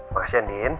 makasih ya din